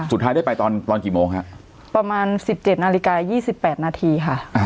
สุดท้ายได้ไปตอนตอนกี่โมงฮะประมาณสิบเจ็ดนาฬิกายี่สิบแปดนาทีค่ะ